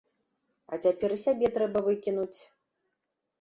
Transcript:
А цяпер і сябе трэба выкінуць!